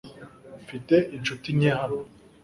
Mfite inshuti nke hano .